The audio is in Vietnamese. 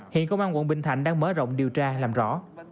hiện công an quận bình thạnh đang mở rộng điều tra làm rõ